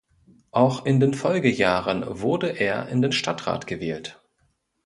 Auch in den Folgejahren wurde er in den Stadtrat gewählt.